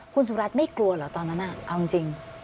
คุณสุรัตน์ไม่กลัวเหรอตอนนั้นเอาจริง